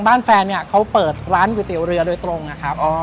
แฟนเนี่ยเขาเปิดร้านก๋วยเตี๋ยวเรือโดยตรงนะครับ